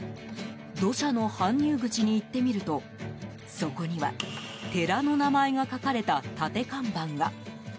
土砂の搬入口に行ってみるとそこには寺の名前が書かれた立て看板が。